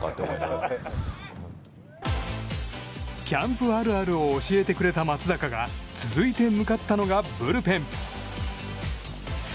キャンプあるあるを教えてくれた松坂が続いて向かったのがブルペン。